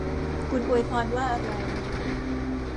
คุณอวยพรว่าอะไร